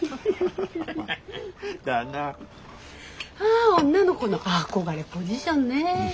あ女の子の憧れポジションね。